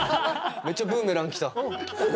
めっちゃブーメラン来た。